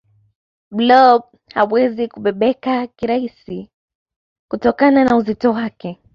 blob hawezi kubebeka kirasi kutokana na uzito wake